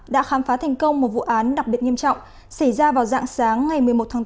đã khám phá thành công một vụ án đặc biệt nghiêm trọng xảy ra vào dạng sáng ngày một mươi một tháng tám